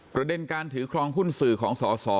ประเด็นการถือครองหุ้นสื่อของสส